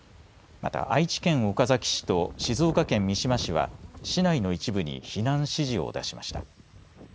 また、愛知県岡崎市と静岡県三島市は市内の一部に避難指示を出しました。